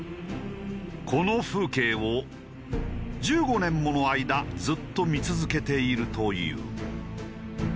この風景を１５年もの間ずっと見続けているという。